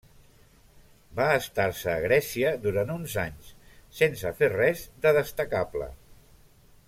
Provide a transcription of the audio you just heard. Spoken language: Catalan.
Va estar-se a Grècia durant uns anys sense fer res de destacable.